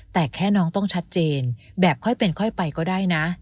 แต่แค่น้องต้องชัดเจนแบบค่อยเป็นค่อยไปก็ได้นะ